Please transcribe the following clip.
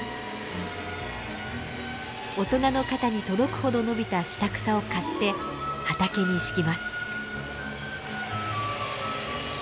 大人の肩に届くほど伸びた下草を刈って畑に敷きます。